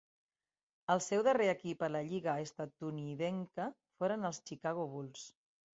El seu darrer equip a la lliga estatunidenca foren els Chicago Bulls.